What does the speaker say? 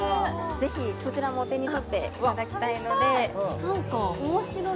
ぜひこちらもお手に取っていただきたいので試したい！